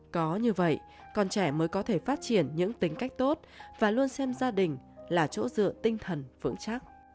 có như vậy con trẻ mới có thể phát triển những tính cách tốt và luôn xem gia đình là chỗ dựa tinh thần vững chắc